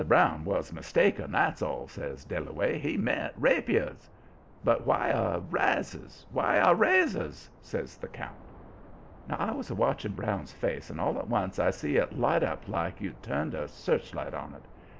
Brown was mistaken, that's all," says Dillaway; "he meant rapiers." "But why a razors why a razors?" says the count. Now I was watching Brown's face, and all at once I see it light up like you'd turned a searchlight on it.